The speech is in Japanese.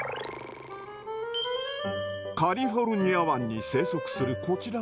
カリフォルニア湾に生息するこちらの魚。